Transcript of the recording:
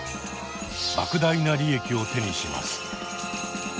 莫大な利益を手にします。